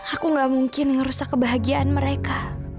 aku gak mungkin ngerusak kebahagiaan mereka